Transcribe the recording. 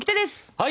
はい！